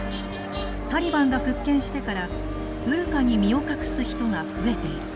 タリバンが復権してからブルカに身を隠す人が増えている。